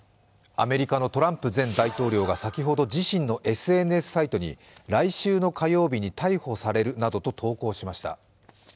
アメリカのトランプ前大統領が先ほど自身のＳＮＳサイトに来週の火曜日に逮捕されるなどと投稿しました。